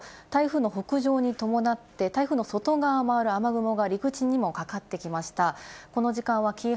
動かしますと、台風の北上に伴って台風の外側を回る雨雲が陸地にもかかってきました。